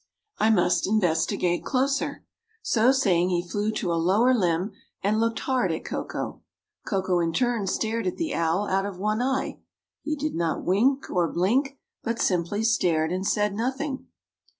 I must investigate closer." So saying he flew to a lower limb and looked hard at Koko. Koko, in turn, stared at the owl out of one eye; he did not wink or blink but simply stared and said nothing.